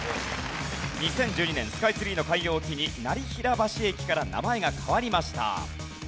２０１２年スカイツリーの開業を機に業平橋駅から名前が変わりました。